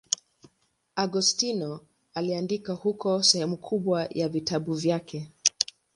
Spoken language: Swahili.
Agostino aliandika huko sehemu kubwa ya vitabu vyake.